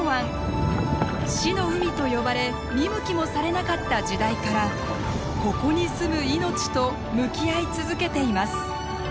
「死の海」と呼ばれ見向きもされなかった時代からここに住む命と向き合い続けています。